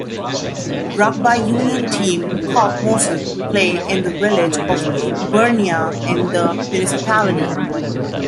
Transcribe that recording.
Rugby Union team Coq Mosan play in the village of Berneau in the municipality.